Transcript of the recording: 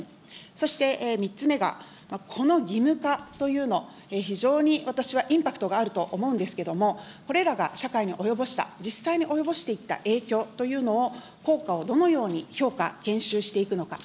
そして３つ目が、この義務化というの、非常に私はインパクトがあると思うんですけれども、これらが社会に及ぼした、実際に及ぼしていった影響というものを効果をどのように評価、検証していくのか。